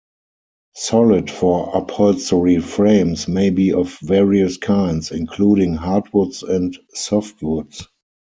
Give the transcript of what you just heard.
Solid for upholstery frames may be of various kinds, including hardwoods and softwoods.